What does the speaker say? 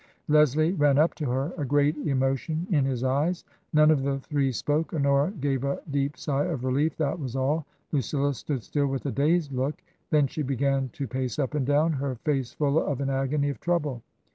Leslie ran up to her, a great emotion in his eyes. None of the three spoke. Honora gave a deep sigh of relief, that was all, Lucilla stood still with a dazed look ; then she began to pace up and down, her face full of an agony of trouble.